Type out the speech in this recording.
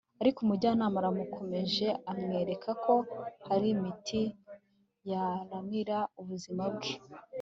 ariko umujyanama aramukomeje amwerekako hari imiti yaramira ubuzima bwe